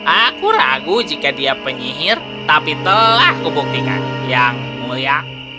aku ragu jika dia penyihir tapi telah kubuktikan yang mulia